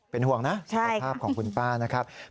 เป็นห่วงนะสภาพของคุณป้านะครับ